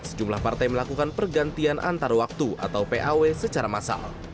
sejumlah partai melakukan pergantian antar waktu atau paw secara massal